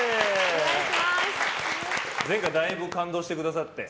前回だいぶ感動してくださって。